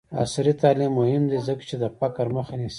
عصري تعلیم مهم دی ځکه چې د فقر مخه نیسي.